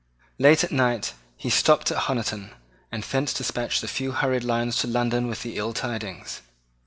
Late at night he stopped at Honiton, and thence despatched a few hurried lines to London with the ill tidings.